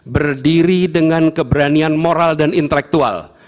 berdiri dengan keberanian moral dan intelektual